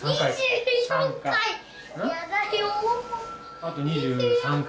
あと２３回。